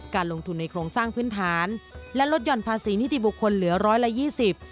การลงทุนในโครงสร้างพื้นฐานและลดหย่อนภาษีนิติบุคคลเหลือร้อยละยี่สิบ